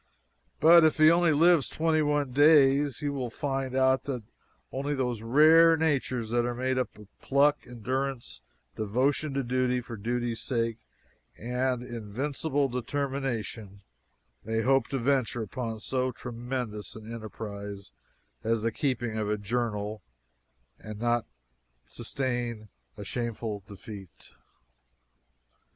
But if he only lives twenty one days, he will find out that only those rare natures that are made up of pluck, endurance, devotion to duty for duty's sake, and invincible determination may hope to venture upon so tremendous an enterprise as the keeping of a journal and not sustain a shameful defeat.